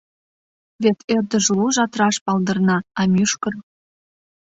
Вет ӧрдыжлужат раш палдырна, а мӱшкыр...